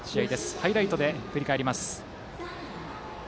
ハイライトで振り返ります。